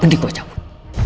mending gue cabut